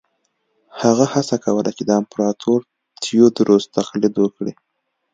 هغه هڅه کوله چې د امپراتور تیوودروس تقلید وکړي.